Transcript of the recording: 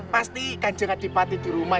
pastikan jangan dipatik di rumah